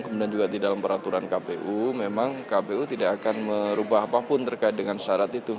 kemudian juga di dalam peraturan kpu memang kpu tidak akan merubah apapun terkait dengan syarat itu